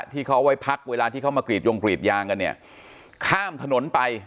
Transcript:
ที่เขาไว้พักเวลาที่เขามากรีดยงกรีดยางกันเนี่ยข้ามถนนไป